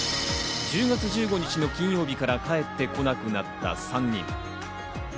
１０月１５日の金曜日から帰ってこなくなった３人。